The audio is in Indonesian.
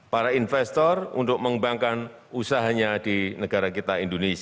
para investor untuk mengembangkan usahanya di negara kita indonesia